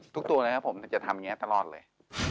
ตัวนะครับผมจะทำอย่างนี้ตลอดเลย